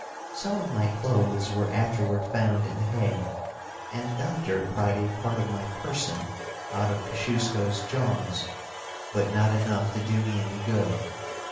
Some of my clothes were afterward found in the hay, and the doctor pried a part of my person out of Kosciusko's jaws, but not enough to do me any good.